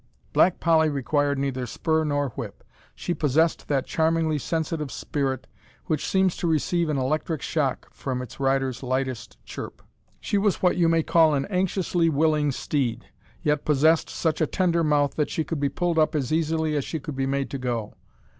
Black Polly required neither spur nor whip. She possessed that charmingly sensitive spirit which seems to receive an electric shock from its rider's lightest chirp. She was what you may call an anxiously willing steed, yet possessed such a tender mouth that she could be pulled up as easily as she could be made to go.